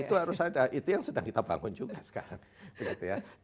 itu harus ada itu yang sedang kita bangun juga sekarang